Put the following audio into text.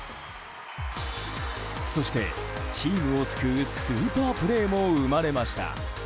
そして、チームを救うスーパープレーも生まれました。